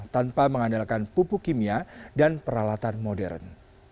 tanpa mengandalkan pupuk kimia dan peralatan modern